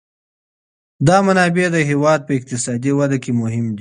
دا منابع د هېواد په اقتصادي وده کي مهم دي.